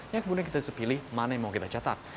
yang kemudian kita bisa pilih mana yang mau kita catat